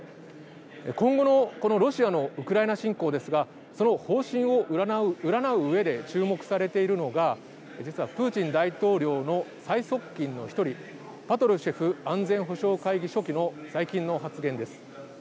今後の、このロシアのウクライナ侵攻ですがその方針を占ううえで注目されているのが実はプーチン大統領の最側近の１人パトルシェフ安全保障会議書記の最近の発言です。